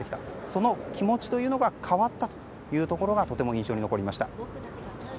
その気持ちが変わったというのがとても印象に残りました。